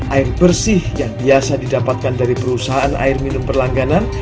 air bersih yang biasa didapatkan dari perusahaan air minum perlangganan